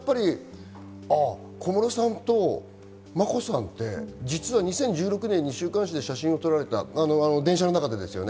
小室さんと眞子さんって、２０１６年に週刊誌に写真を撮られた、電車の中で。